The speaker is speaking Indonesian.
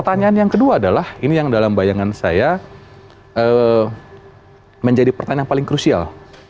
dan yang pertama adalah ini yang dalam bayangan saya menjadi pertanyaan yang paling krusial